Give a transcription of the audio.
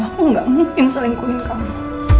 aku gak mungkin selingkuhin kamu